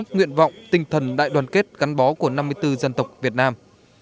nguyện vọng tinh thần đại đoàn kết gắn bó của năm mươi bốn dân tộc việt nam